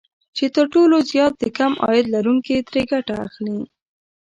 چې تر ټولو زيات د کم عاید لرونکي ترې ګټه اخلي